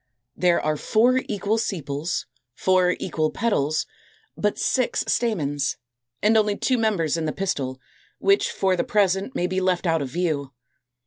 There are four equal sepals, four equal petals; but six stamens, and only two members in the pistil, which for the present may be left out of view.